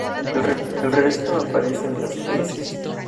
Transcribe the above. El resto aparece en las heces.